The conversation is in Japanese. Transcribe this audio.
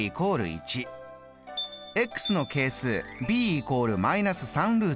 １。の係数ｂ＝−３。